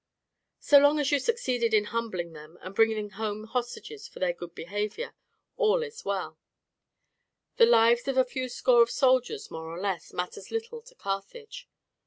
"So long as you succeeded in humbling them and bringing home hostages for their good behaviour, all is well; the lives of a few score of soldiers, more or less, matters little to Carthage.